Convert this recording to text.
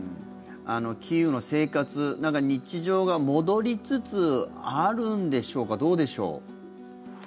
キーウの生活日常が戻りつつあるんでしょうかどうでしょう？